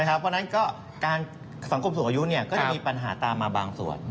เพราะฉะนั้นสังคมสูงอายุก็จะมีปัญหาตามมาบางส่วน